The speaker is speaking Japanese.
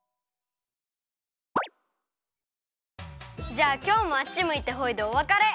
じゃあきょうもあっちむいてホイでおわかれ！